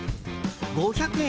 ５００円